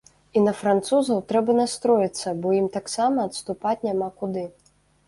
І на французаў трэба настроіцца, бо ім таксама адступаць няма куды.